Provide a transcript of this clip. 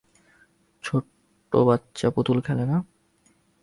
ছোট বাচ্চা পুতুল খেলে না?